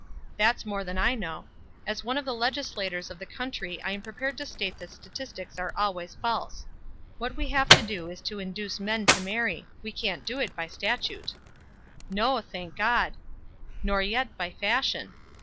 "That's more than I know. As one of the legislators of the country I am prepared to state that statistics are always false. What we have to do is to induce men to marry. We can't do it by statute." "No, thank God." "Nor yet by fashion."